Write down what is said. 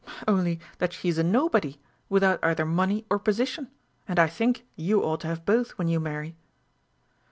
"Only that she is a nobody, without either money or position and I think you ought to have both when you marry."